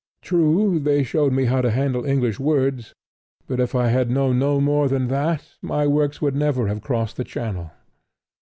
True, they showed me how to handle English words; but if I had known no more than that, my works would never have crossed the Channel.